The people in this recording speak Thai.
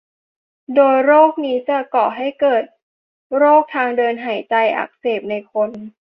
โดยโรคนี้จะก่อให้เกิดโรคทางเดินหายใจอักเสบในคน